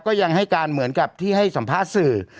ยังให้การเหมือนกับที่ให้สัมภาษณ์สื่อ